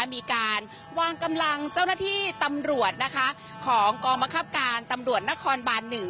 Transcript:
มีการวางกำลังเจ้าหน้าที่ตำรวจนะคะของกองบังคับการตำรวจนครบาน๑